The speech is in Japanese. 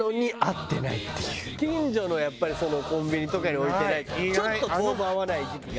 近所のやっぱりコンビニとかに置いてないとちょっと当分会わない時期が。